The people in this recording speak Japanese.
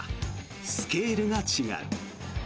スケールが違う。